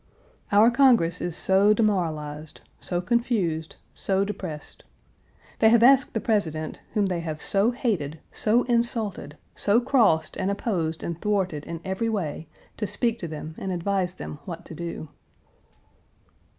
Our Congress is so demoralized, so confused, so depressed. They have asked the President, whom they have Page 281 so hated, so insulted, so crossed and opposed and thwarted in every way, to speak to them, and advise them what to do.